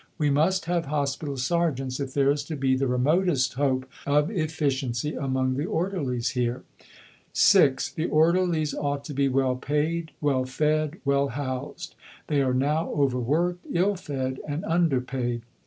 We must have Hospital Sergeants if there is to be the remotest hope of efficiency among the Orderlies here. (6) The Orderlies ought to be well paid, well fed, well housed. They are now overworked, ill fed, and underpaid.